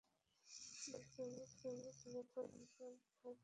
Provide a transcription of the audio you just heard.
বুঝিতে হইবে, যেখানেই কোন প্রকার বন্ধন, তাহার পশ্চাতে মুক্তিও গুপ্তভাবে রহিয়াছে।